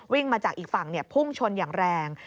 วิ่งมาจากอีกฝั่งพุ่งชนอย่างแรง